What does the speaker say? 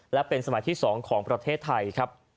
และเป็นสมัยที่๒ของประเทศไทยครับ